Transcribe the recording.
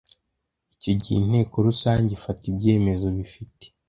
icyo gihe inteko rusange ifata ibyemezo bifite